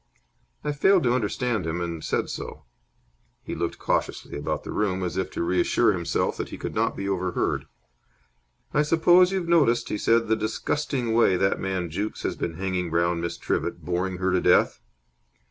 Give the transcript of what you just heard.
I failed to understand him, and said so. He looked cautiously about the room, as if to reassure himself that he could not be overheard. "I suppose you've noticed," he said, "the disgusting way that man Jukes has been hanging round Miss Trivett, boring her to death?"